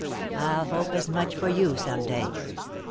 " 111 hope as much for yon some day."